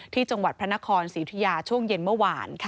ที่จังหวัดพระนครศรีอุทยาช่วงเย็นเมื่อวาน